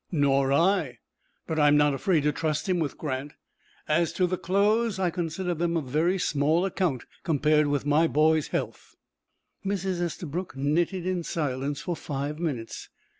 "Nor I, but I am not afraid to trust him with Grant. As to the clothes, I consider them of very small account, compared with my boy's health." Mrs. Estabrook knitted in silence for five minutes.